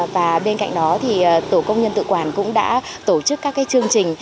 và bên cạnh đó thì tổ công nhân tự quản cũng đã tổ chức các chương trình